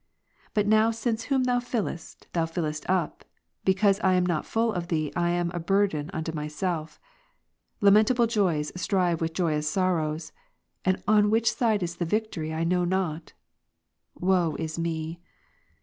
But now since whom Thou fillest, Thou liftest up, because I am not full of Thee I am a burthen to myself. Lamentable joys strive with joyous sorrows : and on which side is the victory, I know not. Woe is me